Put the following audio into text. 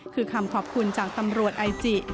คือคำขอบคุณจากตำรวจไอจิ